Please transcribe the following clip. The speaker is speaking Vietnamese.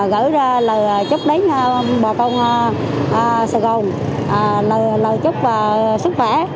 gửi ra lời chúc đến bà con sài gòn lời lời chúc sức khỏe